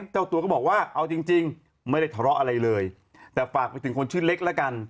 เจ้าตัวก็บอกว่าเอาจริงไม่ได้ทะเลาะอะไรเลยแต่ฝากไปถึงคนชื่อเล็กแล้วกัน